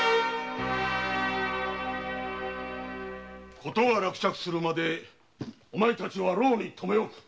事が落着するまでお前らは牢に留め置く。